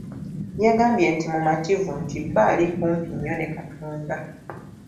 Yagambye nti mumativu nti bba ali kumpi nnyo ne Katonda.